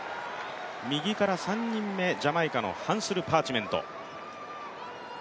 右から３人目、ジャマイカのハンスル・パーチメント。